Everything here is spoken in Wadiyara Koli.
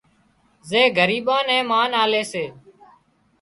زي ڳريٻان نين مانَ آلي سي